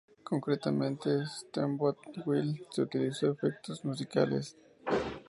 Concretamente, en "Steamboat Willie", se utilizó efectos musicales.